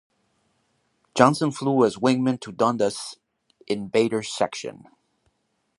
Johnson flew as wingman to Dundas in Bader's section.